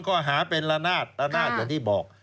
ข้อหาเป็นละนาดละนาดอย่างที่บอก